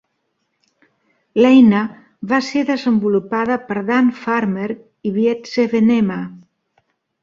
L'eina va ser desenvolupada per Dan Farmer i Wietse Venema.